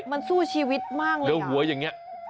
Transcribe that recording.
มันสู้ชีวิตมากเลยกัน